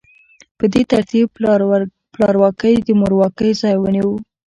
په دې ترتیب پلارواکۍ د مورواکۍ ځای ونیو.